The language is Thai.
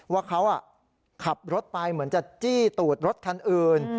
ว่าเขาขับรถไปเหมือนจะจี้ตูดรถคันอื่น